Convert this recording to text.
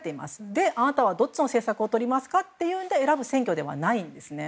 あなたはどっちの政策をとりますかと選ぶ選挙ではないんですね。